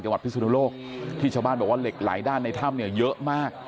พิสุนุโลกที่ชาวบ้านบอกว่าเหล็กไหลด้านในถ้ำเนี่ยเยอะมาก